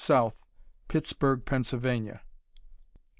S. Pittsburgh, Pennsylvania.